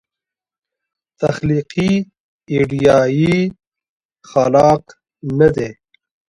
تخلیقي ایډیا یې خلاق نه دی.